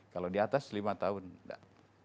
kalau di atas lima tahun enggak